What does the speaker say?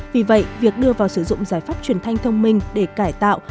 vì vậy việc đưa vào sử dụng giải pháp truyền thanh thông minh để cải tạo